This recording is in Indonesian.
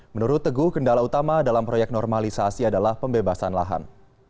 menurut teguh kendala utama dalam proyek normalisasi adalah pembebasan lahan